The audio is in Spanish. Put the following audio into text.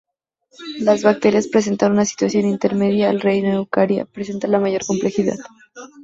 Las Bacterias presentan una situación intermedia y el reino Eukarya presenta la mayor complejidad.